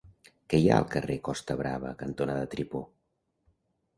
Què hi ha al carrer Costa Brava cantonada Tripó?